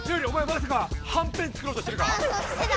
まさか「はんぺん」作ろうとしてるか⁉してた！